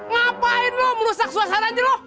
ngapain lu merusak suasananya lu